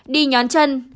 đi nhón chân